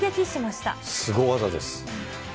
すご技です。